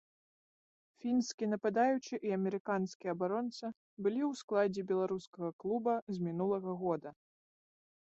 Фінскі нападаючы і амерыканскі абаронца былі ў складзе беларускага клуба з мінулага года.